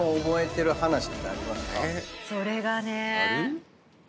それがね。